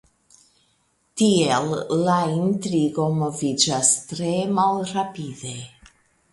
Tiel la intrigo moviĝas tre malrapide.